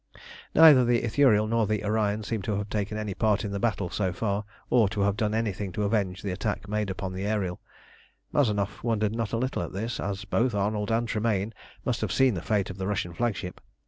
Neither the Ithuriel nor the Orion seemed to have taken any part in the battle so far, or to have done anything to avenge the attack made upon the Ariel. Mazanoff wondered not a little at this, as both Arnold and Tremayne must have seen the fate of the Russian flagship.